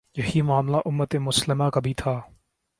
یہی معاملہ امت مسلمہ کا بھی تھا۔